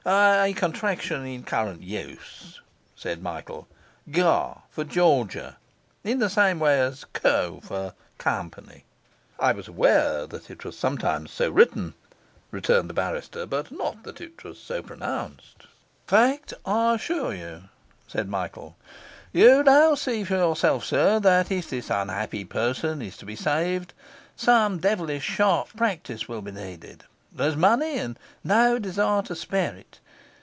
'A contraction in current use,' said Michael. 'Ga. for Georgia, in The same way as Co. for Company.' 'I was aware it was sometimes so written,' returned the barrister, 'but not that it was so pronounced.' 'Fact, I assure you,' said Michael. 'You now see for yourself, sir, that if this unhappy person is to be saved, some devilish sharp practice will be needed. There's money, and no desire to spare it.